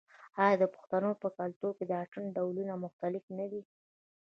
آیا د پښتنو په کلتور کې د اتن ډولونه مختلف نه دي؟